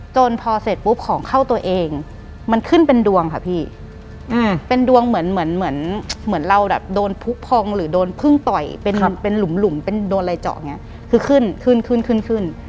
จนพอเสร็จปุ๊บของเข้าตัวเองมันขึ้นเป็นดวงค่ะพี่เป็นดวงเหมือนเราโดนพุกพองหรือโดนพึ่งต่อยเป็นหลุมเป็นโดนไรเจาะเนี่ยคือขึ้น